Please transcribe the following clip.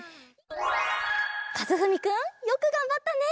かずふみくんよくがんばったね！